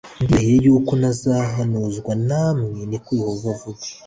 ndirahiye yuko ntazahanuzwa namwe ni ko yehova avuze